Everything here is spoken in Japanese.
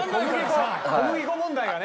小麦粉問題がね。